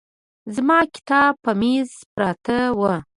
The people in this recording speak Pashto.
زما کتاب په مېز پراته وو.